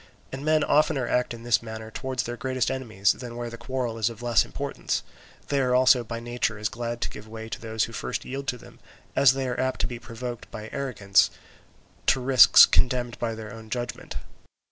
And men oftener act in this manner towards their greatest enemies than where the quarrel is of less importance; they are also by nature as glad to give way to those who first yield to them, as they are apt to be provoked by arrogance to risks condemned by their own judgment.